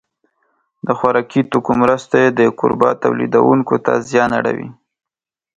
د خوراکي توکو مرستې د کوربه تولیدوونکو ته زیان اړوي.